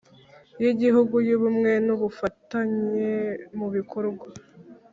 y igihugu y ubumwe n ubufatanye mubikorwa